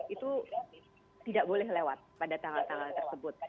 itu tidak boleh lewat pada tanggal tanggal tersebut